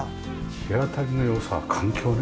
日当たりの良さ環境ね。